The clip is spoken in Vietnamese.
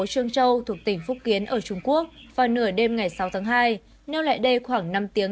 trương châu thuộc tỉnh phúc kiến ở trung quốc vào nửa đêm ngày sáu tháng hai nêu lại đây khoảng năm tiếng